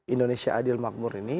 indonesia adil makmur ini